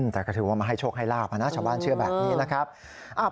แต่ก็ถือว่ามาให้โชคให้ลาบนะชาวบ้านเชื่อแบบนี้นะครับ